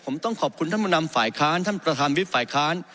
ผมต้องขอบคุณท่านผู้นำฝ่ายค้านท่านประธานวิบฝ่ายค้าน